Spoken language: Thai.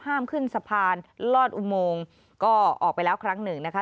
ห้ามขึ้นสะพานลอดอุโมงก็ออกไปแล้วครั้งหนึ่งนะคะ